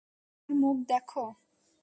তার মুখ দেখ।